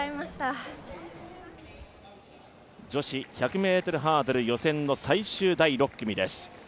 女子１００ｍハードルの予選最終第６組です。